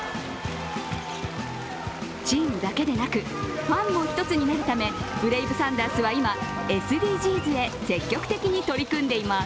チームだけでなく、ファンも一つになるためブレイブサンダースは今、ＳＤＧｓへ積極的に取り組んでいます。